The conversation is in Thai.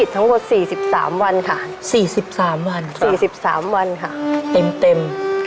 เต็ม